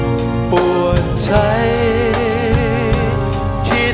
ยังเพราะความสำคัญ